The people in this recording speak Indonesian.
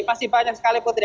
masih banyak sekali putri